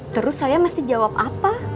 terus saya mesti jawab apa